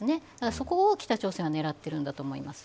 そこを北朝鮮は狙っているんだと思います。